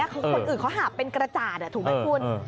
คนอื่นเขาหาบเป็นกระจาดถูกไหมคุณ